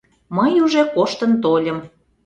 Мый уже коштын тольым.